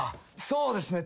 そうですね。